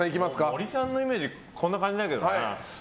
森さんのイメージこんなだけどね。